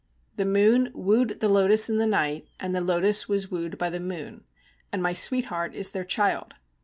_ The moon wooed the lotus in the night, the lotus was wooed by the moon, and my sweetheart is their child.